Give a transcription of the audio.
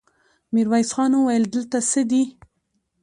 ميرويس خان وويل: دلته څه دي؟